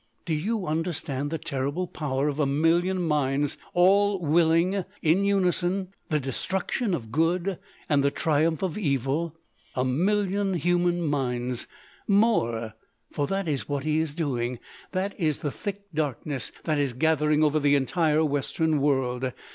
Do you understand the terrible power of a million minds all willing, in unison, the destruction of good and the triumph of evil? A million human minds! More! For that is what he is doing. That is the thick darkness that is gathering over the entire Western world.